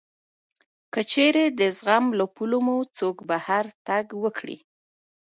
که چېرې د زغم له پولو مو څوک بهر تګ وکړي